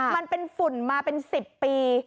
มันเป็นฝุ่นมาเป็น๑๐ปี